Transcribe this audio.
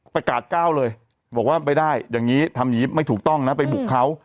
ประกาศก้าวเลยบอกว่าไม่ได้อย่างนี้ทำอย่างนี้ไม่ถูกต้องนะไปบุกเขา